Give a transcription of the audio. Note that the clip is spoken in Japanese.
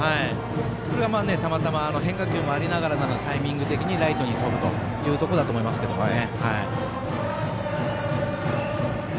それが、たまたま変化球もありながらタイミング的にライトに飛ぶというところだと思いますけどね。